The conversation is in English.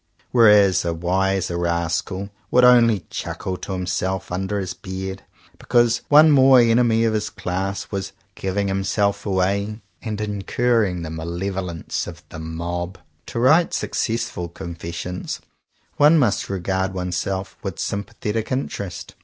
Whereas a wiser rascal would only chuckle to himself under his beard because one more enemy of his class was 20 JOHN COWPER POWYS ''giving himself away" and incurring the malevolence of the mob. "To write successful confessions one must regard oneself with sympathetic in terest."